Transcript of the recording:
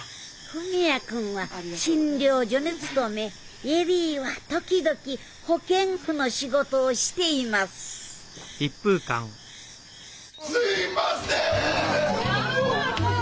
文也君は診療所に勤め恵里は時々保健婦の仕事をしていますすいません！